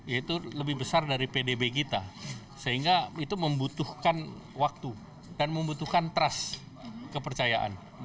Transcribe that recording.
yaitu lebih besar dari pdb kita sehingga itu membutuhkan waktu dan membutuhkan trust kepercayaan